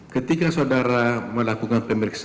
ketika saudara melakukan pemirksa